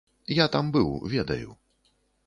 Я там быў, ведаю.